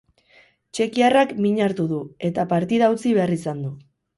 Txekiarrak min hartu du, eta partida utzi behar izan du.